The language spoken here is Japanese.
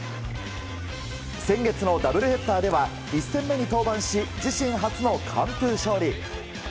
先月のダブルヘッダーでは１戦目に登板し自身初の完封勝利。